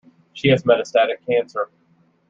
She has metastatic cancer.